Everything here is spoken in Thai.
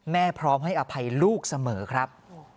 พร้อมให้อภัยลูกเสมอครับ